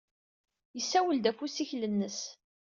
Yessawel-d ɣef ussikel-nnes.